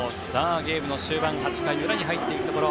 ゲームの終盤８回裏に入っていくところ。